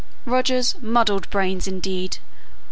"Roger's 'muddled brains,' indeed!